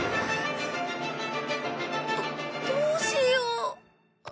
どどうしよう。